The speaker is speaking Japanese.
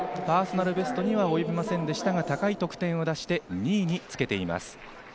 パーソナルベストには及びませんでしたが、高い得点を出して２位につけています。